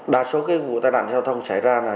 đa số cái vụ tai nạn giao thông xảy ra là